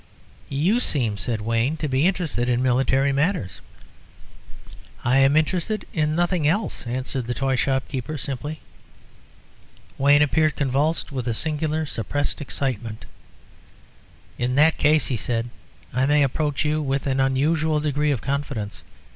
"You seem," said Wayne, "to be interested in military matters." "I am interested in nothing else," answered the toy shop keeper, simply. Wayne appeared convulsed with a singular, suppressed excitement. "In that case," he said, "I may approach you with an unusual degree of confidence.